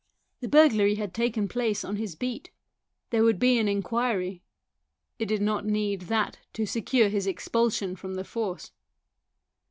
The burglary had taken 192 THE SOUL OF A POLICEMAN place on his beat ; there would be an inquiry ; it did not need that to secure his expulsion from the force.